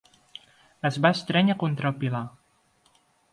Es va estrènyer contra el pilar.